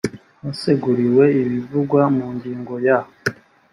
haseguriwe ibivugwa mu ngingo ya